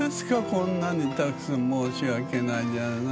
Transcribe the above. こんなにたくさん申し訳ないじゃない。